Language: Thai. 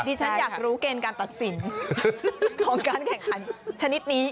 ฉันอยากรู้เกณฑ์การตัดสินของการแข่งขันชนิดนี้